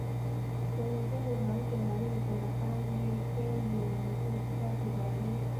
Kwenye kingo za mto naili kuna kenge wenye futi tatu za urefu